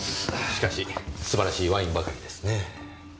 しかし素晴らしいワインばかりですねぇ。